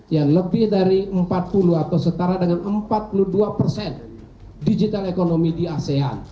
yang lebih dari empat puluh atau setara dengan empat puluh dua persen digital ekonomi di asean